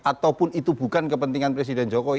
ataupun itu bukan kepentingan presiden jokowi